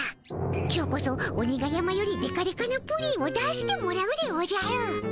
今日こそ鬼が山よりでかでかなプリンを出してもらうでおじゃる。